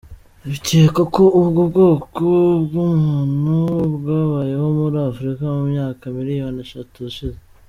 Bikekwa ko ubwo bwoko bw’umuntu, bwabayeho muri Afrika mu myaka miliyoni eshatu ishize.